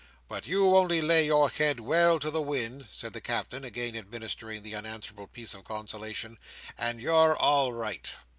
But you only lay your head well to the wind," said the Captain, again administering that unanswerable piece of consolation, "and you're all right!"